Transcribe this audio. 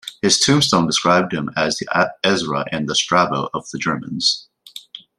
His tombstone described him as the Ezra and the Strabo of the Germans.